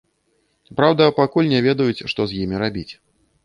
Праўда, пакуль не ведаюць, што з імі рабіць.